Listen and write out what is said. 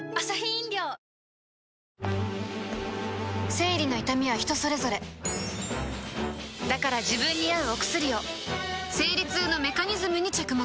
生理の痛みは人それぞれだから自分に合うお薬を生理痛のメカニズムに着目